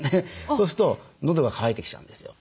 そうすると喉が渇いてきちゃうんですよ。